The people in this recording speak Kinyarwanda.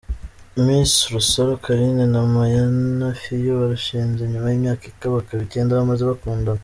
Miss Rusaro Carine na Mpayana Fio barushinze nyuma y’imyaka ikabakaba icyenda bamaze bakundana.